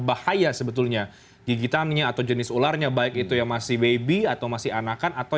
bahaya sebetulnya gigitannya atau jenis ularnya baik itu yang masih baby atau masih anakan atau